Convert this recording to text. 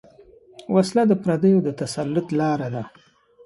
وسله د پردیو د تسلط لاره ده